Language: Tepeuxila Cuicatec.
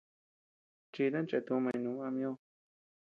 Chidan cheutumañ num ama ñoʼö.